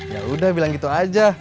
yaudah bilang gitu aja